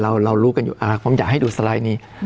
เรารู้กันอยู่ผมอยากให้ดูสไลด์นี้